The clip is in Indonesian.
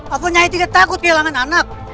aku nyai tidak takut kehilangan anak